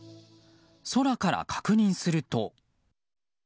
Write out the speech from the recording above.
空から確認すると。